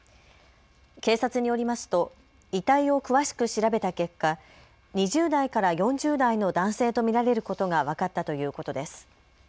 警察によりますと遺体を詳しく調べた結果、２０代から４０代の男性と見られることが分かったということです。